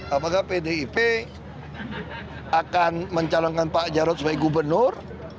apakah pdip akan mencalonkan pak jarod sebagai gubernur